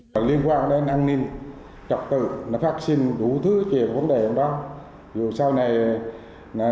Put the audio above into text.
nguy hiểm hơn nhiều người còn bất chấp tính mạng đào hố sâu từ hai ba mét